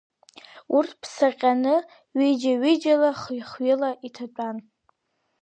Урҭ ԥсаҟьаны ҩыџьа-ҩыџьала, хҩы-хҩыла иҭатәан.